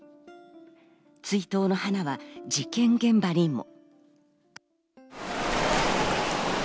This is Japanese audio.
追悼の花は事件現場にも。